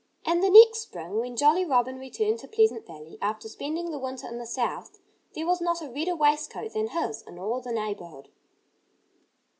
And the next spring, when Jolly Robin returned to Pleasant Valley, after spending the winter in the South, there was not a redder waistcoat than his in all the neighborhood.